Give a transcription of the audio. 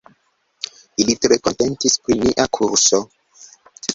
Ili tre kontentis pri nia kurso.